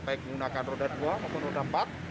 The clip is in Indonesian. baik menggunakan roda dua maupun roda empat